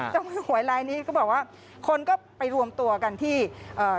เจ้ามือหวยลายนี้ก็บอกว่าคนก็ไปรวมตัวกันที่เอ่อ